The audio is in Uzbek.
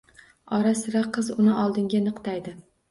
Ora-sira qiz uni oldinga niqtaydi